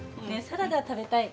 サラダ食べたい。